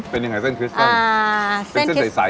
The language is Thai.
เป็นยังไงเส้นคริสตัน